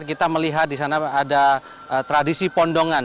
kita melihat di sana ada tradisi pondongan